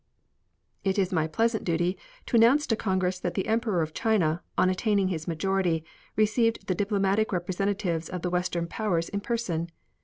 It is my pleasant duty to announce to Congress that the Emperor of China, on attaining his majority, received the diplomatic representatives of the Western powers in person.